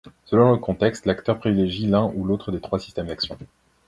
Selon le contexte, l'acteur privilégie l'un ou l'autre des trois systèmes d'action.